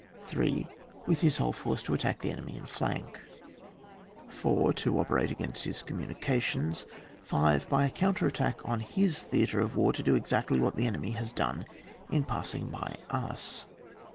3. With his whole force to attack the enemy in flank. 184 ON WAR. [book VI. 4. To operate agi^st V^' communica tions. 5. By a counter attack on his theatre of war, to do exactly what the enemy has done in passing by us.